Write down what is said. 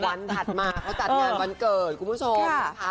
วันถัดมาเค้าจัดงานวันเกิดคุณคุณผู้ชม